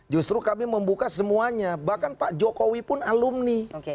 justru kami membuka semuanya bahkan pak jokowi pun alumni